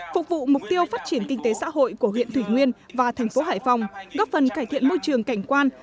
phục vụ mục tiêu phát triển kinh tế xã hội của huyện thủy nguyên và thành phố hải phòng góp phần cải thiện môi trường cảnh quan